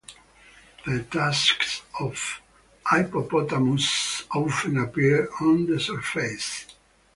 The tusks of hippopotamuses often appear on the surface.